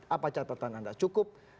apa catatan anda cukup